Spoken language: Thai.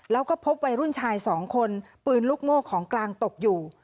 แล้วก็พบวัยรุ่นชายสองคนปืนลูกโม่ของกลางตกอยู่